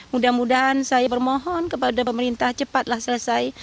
mudah mudahan saya bermohon kepada pemerintah cepatlah selesai